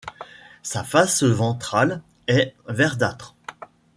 Sa face ventrale est verdâtre.